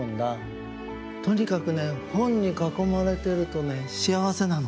とにかくね本にかこまれてるとね幸せなの。